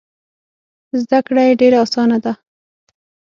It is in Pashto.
زده کړه یې ډېره اسانه ده.